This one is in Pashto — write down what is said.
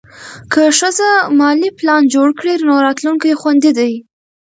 که ښځه مالي پلان جوړ کړي، نو راتلونکی خوندي دی.